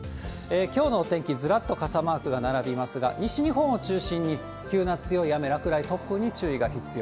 きょうのお天気、ずらっと傘マークが並びますが、西日本を中心に、急な強い雨、落雷、突風に注意が必要。